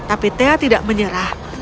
tapi theo tidak menyerah